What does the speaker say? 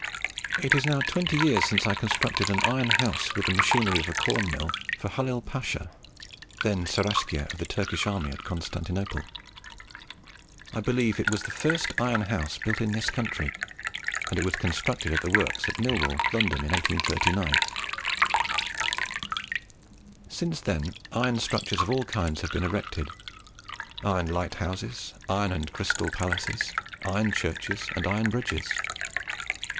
It is now twenty years since I constructed an iron house, with the machinery of a corn mill, for Halil Pasha, then Seraskier of the Turkish army at Constantinople. I believe it was the first iron house built in this country; and it was constructed at the works at Millwall, London, in 1839." Since then iron structures of all kinds have been erected: iron lighthouses, iron and crystal palaces, iron churches, and iron bridges.